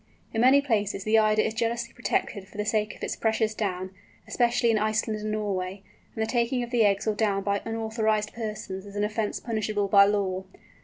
In many places the Eider is jealously protected for the sake of its precious down, especially in Iceland and Norway, and the taking of the eggs or down by unauthorized persons is an offence punishable by law.